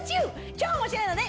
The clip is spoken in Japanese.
超面白いので。